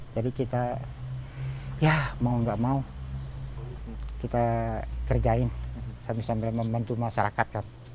jadi kita ya mau nggak mau kita kerjain sambil sambil membantu masyarakat kan